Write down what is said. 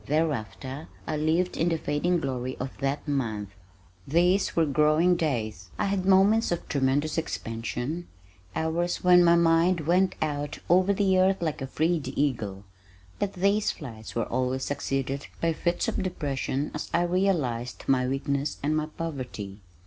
Thereafter I lived in the fading glory of that month. These were growing days! I had moments of tremendous expansion, hours when my mind went out over the earth like a freed eagle, but these flights were always succeeded by fits of depression as I realized my weakness and my poverty.